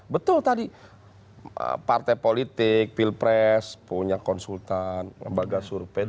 betul tadi partai politik pilpres punya konsultan lembaga survei